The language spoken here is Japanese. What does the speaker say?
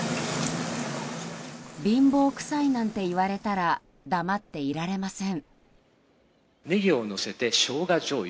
貧乏くさいなんて言われたら黙っていられません。